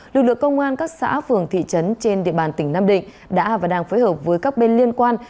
lực lượng công an các xã phường thị trấn trên địa bàn tỉnh nam định đã và đang phối hợp với các bên liên quan